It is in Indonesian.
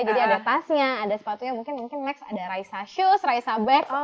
jadi ada tasnya ada sepatunya mungkin next ada raisa shoes raisa bag